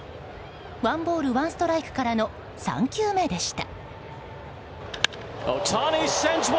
ワンボールワンストライクからの３球目でした。